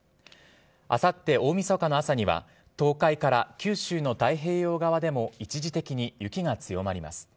あさって大みそかの朝には、東海から九州の太平洋側でも、一時的に雪が強まります。